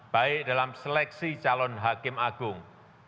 baik dalam seleksi calon hakim agung